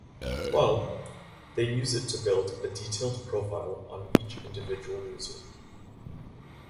Well, they use it to build a detailed profile on each individual user.